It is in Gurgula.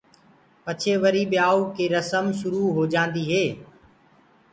پڇي وري ٻيآئوٚ ڪيٚ رسم شُرو هوجآندي هي۔